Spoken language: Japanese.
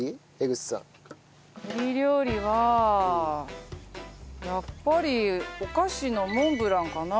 栗料理はやっぱりお菓子のモンブランかな。